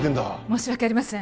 申し訳ありません。